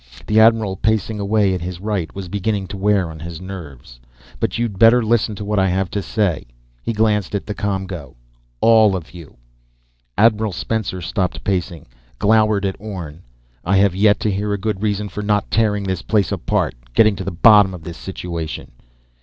The admiral, pacing away at his right, was beginning to wear on his nerves. "But you'd better listen to what I have to say." He glanced at the ComGO. "All of you." Admiral Spencer stopped pacing, glowered at Orne. "I have yet to hear a good reason for not tearing this place apart ... getting to the bottom of this situation."